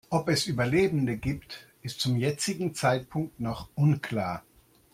Ob es Überlebende gibt, ist zum jetzigen Zeitpunkt noch unklar.